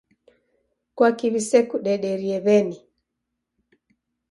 Kwaki w'isekudederie w'eni?